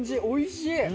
おいしい！